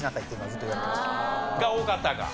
が多かったか。